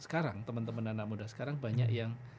sekarang teman teman anak muda sekarang banyak yang